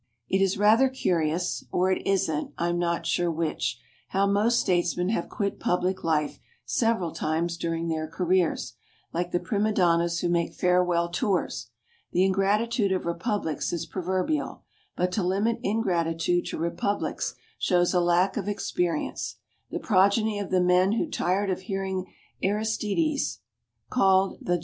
It is rather curious (or it isn't, I'm not sure which) how most statesmen have quit public life several times during their careers, like the prima donnas who make farewell tours. The ingratitude of republics is proverbial, but to limit ingratitude to republics shows a lack of experience.